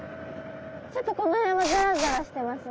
ちょっとこの辺はザラザラしてますね。